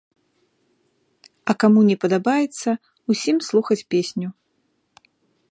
А каму не падабаецца, усім слухаць песню.